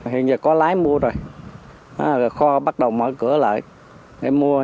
hiện giờ có lái mua rồi kho bắt đầu mở cửa lại để mua